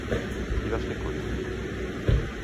Qui va ser Corint?